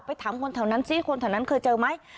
ถามคนแถวนั้นซิคนแถวนั้นเคยเจอไหม